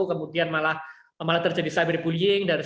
kemudian malah terjadi cyberbullying